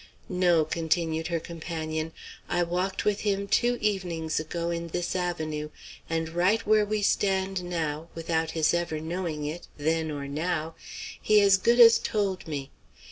"No," continued her companion: "I walked with him two evenings ago in this avenue, and right where we stand now, without his ever knowing it then or now he as good as told me.